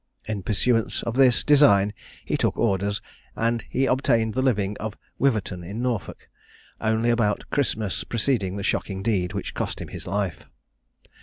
In pursuance of this design he took orders, and he obtained the living of Wiverton, in Norfolk, only about Christmas preceding the shocking deed which cost him his life.